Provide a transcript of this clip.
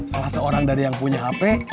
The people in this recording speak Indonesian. salah seorang dari yang punya hp